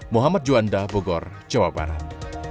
muhammad juanda bogor jawa barat